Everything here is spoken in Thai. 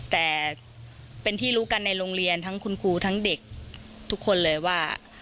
แต่เป็นที่รู้กันในโรงเรียนทั้งคุณครูทั้งเด็กทุกคนเลยว่า